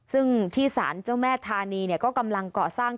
ซึ่งที่สารเจ้าแม่ธานีก็กำลังเกาะสร้าง